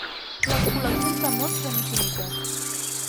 Les col·leccions de mots són infinites.